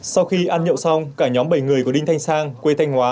sau khi ăn nhậu xong cả nhóm bảy người của đinh thanh sang quê thanh hóa